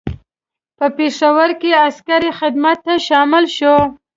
په پېښور کې عسکري خدمت ته شامل شو.